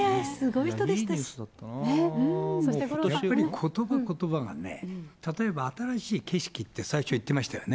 ことばことばがね、例えば新しい景色って最初言ってましたよね。